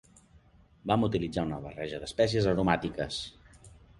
Vam utilitzar una barreja de espècies aromàtiques.